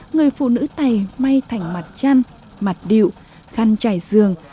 người phụ nữ tây may thành mặt chăn mặt điệu khăn chải giường